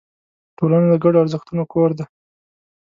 ټولنه د ګډو ارزښتونو کور دی.